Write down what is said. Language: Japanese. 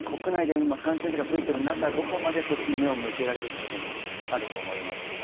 国内で感染者が増えている中、どこまでそっちに目を向けられるかというのもあると思います。